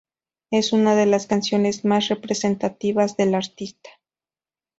Es una de las canciones más representativas del artista.